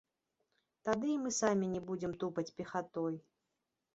Тады і мы самі не будзем тупаць пехатой.